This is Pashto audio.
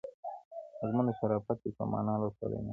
مضمون د شرافت دي په معنا لوستلی نه دی,